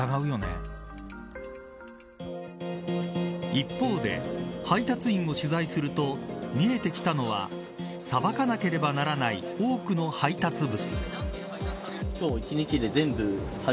一方で配達員を取材すると見えてきたのはさばかなければならない多くの配達物。